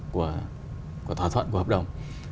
của thỏa thuận của hợp đồng